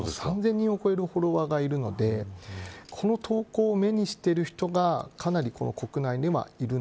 ３０００人を超えるフォロワーがいるのでこの投稿を目にしている人がかなり国内にいる。